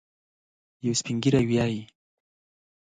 یو سپین ږیری وايي.